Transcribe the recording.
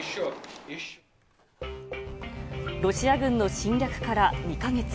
ロシア軍の侵略から２か月。